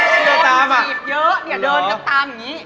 พี่ที่จีบเยอะเดินเกินตามอย่างนี้